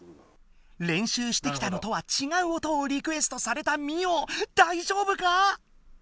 練習してきたのとは違う音をリクエストされたミオ大丈夫か？